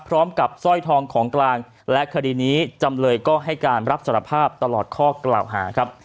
สร้อยทองของกลางและคดีนี้จำเลยก็ให้การรับสารภาพตลอดข้อกล่าวหาครับ